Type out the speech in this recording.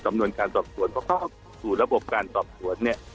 สำนวนการสอบสวนเพราะเข้าสู่ระบบการสอบสวนเนี่ย